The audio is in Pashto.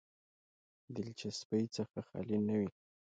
دلچسپۍ څخه خالي نه وي.